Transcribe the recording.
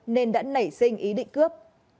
nên đã nảy sinh ý định cướp